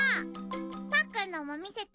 パックンのもみせて。